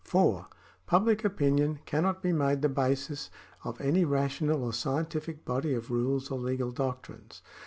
(4) Public opinion cannot be made the basis of any rational or scientific body of rules or legal doctrines.